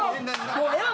もうええわ！